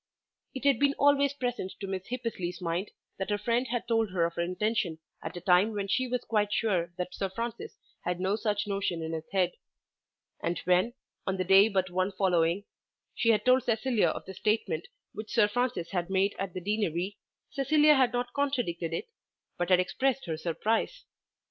It had been always present to Miss Hippesley's mind, that her friend had told her of her intention at a time when she was quite sure that Sir Francis had no such notion in his head. And when, on the day but one following, she had told Cecilia of the statement which Sir Francis had made at the Deanery, Cecilia had not contradicted it, but had expressed her surprise.